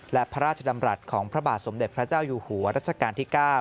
และพระราชดำรัฐของพระบาทสมเด็จพระเจ้าอยู่หัวรัชกาลที่๙